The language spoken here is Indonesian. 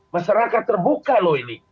masyarakat terbuka loh ini